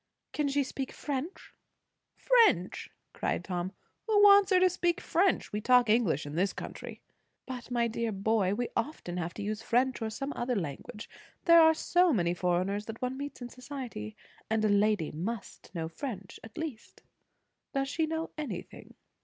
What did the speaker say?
"Can she speak French?" "French!" cried Tom. "Who wants her to speak French? We talk English in this country." "But, my dear boy, we often have to use French or some other language, there are so many foreigners that one meets in society. And a lady must know French at least. Does she know anything?"